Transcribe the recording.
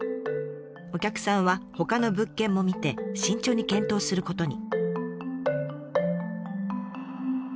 お客さんはほかの物件も見て慎重に検討することに。